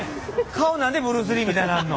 顔何でブルース・リーみたいなんの？